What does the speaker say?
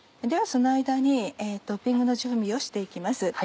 ではその間にトッピングの準備をして行きます。